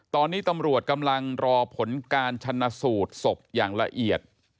ตอนนี้ตำรวจกำลังรอผลการชนะสูตรศพอย่างละเอียด